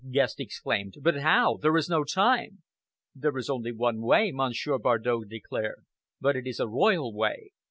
Guest exclaimed. "But how? There is no time!" "There is only one way," Monsieur Bardow declared, "but it is a royal way.